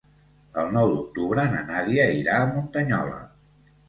El nou d'octubre na Nàdia irà a Muntanyola.